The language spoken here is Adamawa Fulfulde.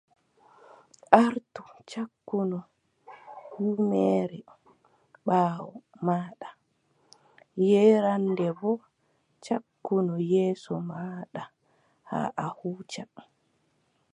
Artu cakkinu ƴummere ɓaawo maaɗa, yeeraande boo cakkinu yeeso maaɗa haa a huuca.